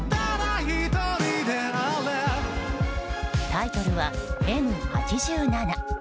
タイトルは「Ｍ八七」。